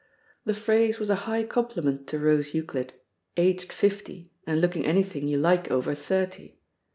The phrase was a high compliment to Rose Euclid, aged fifty and looking anything you like over thirty.